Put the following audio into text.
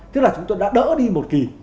tức là chúng tôi đã đỡ đi một kỳ